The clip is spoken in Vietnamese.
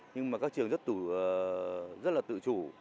nhưng mà các trường rất là tự chủ